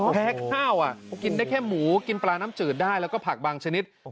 แพ้ข้าวกินได้แค่หมูกินปลาน้ำจืดได้แล้วก็ผักบางชนิด